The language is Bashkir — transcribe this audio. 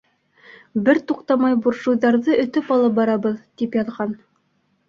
Бер туҡтамай буржуйҙарҙы өтөп алып барабыҙ, тип яҙған.